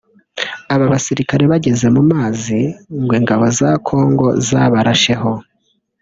Aba basirikare bageze mu mazi ngo ingabo za Congo zabarasheho